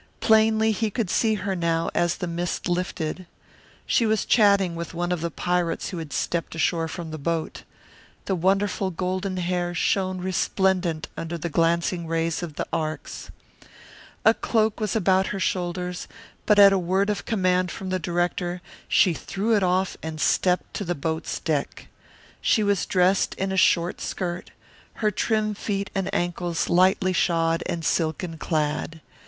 Plainly he could see her now as the mist lifted. She was chatting with one of the pirates who had stepped ashore from the boat. The wonderful golden hair shone resplendent under the glancing rays of the arcs. A cloak was about her shoulders, but at a word of command from the director she threw it off and stepped to the boat's deck. She was dressed in a short skirt, her trim feet and ankles lightly shod and silken clad.